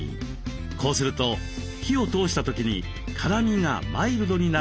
こうすると火を通した時に辛みがマイルドになるんだそうです。